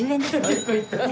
結構いった。